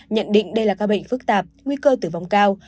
nhận định đây là ca bệnh phức tạp nguy cơ tử vong cao